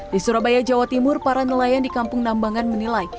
di surabaya jawa timur para nelayan di kampung nambangan menilai